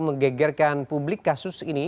menggegerkan publik kasus ini